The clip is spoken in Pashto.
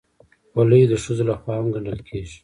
خولۍ د ښځو لخوا هم ګنډل کېږي.